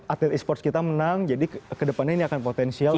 atlet esports kita menang jadi kedepannya ini akan potensial